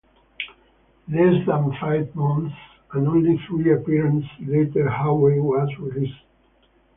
Less than five months and only three appearances later Howey was released.